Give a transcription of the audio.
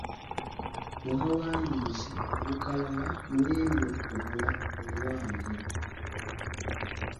twawandiise olukalala lw'eby'okugula oluwanvu.